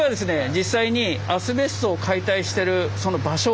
実際にアスベストを解体してるその場所